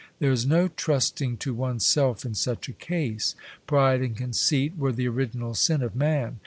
There is no trusting to one's self in such a case ; pride and conceit were the original sin of man.